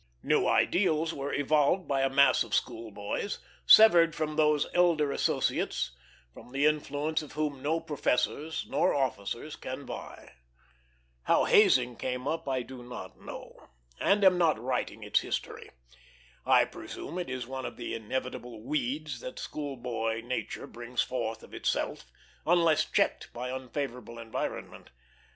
New ideals were evolved by a mass of school boys, severed from those elder associates with the influence of whom no professors nor officers can vie. How hazing came up I do not know, and am not writing its history. I presume it is one of the inevitable weeds that school boy nature brings forth of itself, unless checked by unfavorable environment.